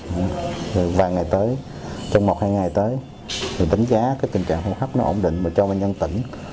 vào vài ngày tới trong một hai ngày tới thì đánh giá cái tình trạng hô hấp nó ổn định và cho vào nhân tỉnh